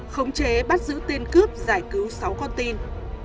khống chế bắt giữ tên cướp giải cứu sáu con tin